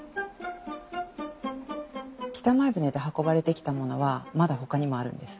北前船で運ばれてきたものはまだほかにもあるんです。